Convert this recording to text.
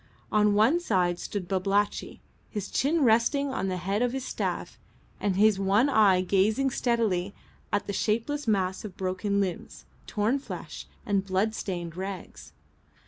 On one side stood Babalatchi, his chin resting on the head of his staff and his one eye gazing steadily at the shapeless mass of broken limbs, torn flesh, and bloodstained rags.